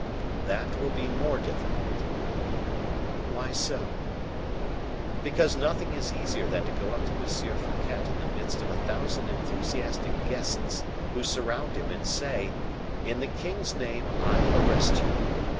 "That will be more difficult." "Why so?" "Because nothing is easier than to go up to M. Fouquet in the midst of a thousand enthusiastic guests who surround him, and say, 'In the king's name, I arrest you.